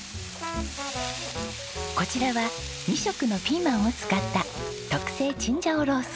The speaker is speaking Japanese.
こちらは２色のピーマンを使った特製チンジャオロース。